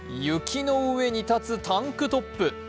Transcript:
雪の上に立つタンクトップ。